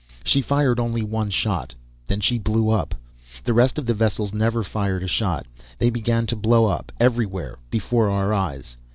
She fired only one shot. Then she blew up. The rest of the vessels never fired a shot. They began to blow up, everywhere, before our eyes.